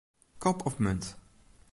Kop of munt.